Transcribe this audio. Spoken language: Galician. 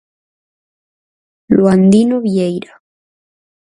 Luandino Vieira.